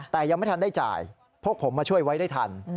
แต่ยังไม่ทันได้จ่ายพวกผมมาช่วยไว้ได้ทัน